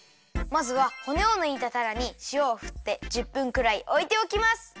まずはほねをぬいたたらにしおをふって１０分くらいおいておきます。